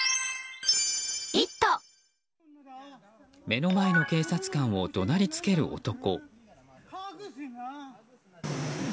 目の前の警察官を怒鳴りつける男。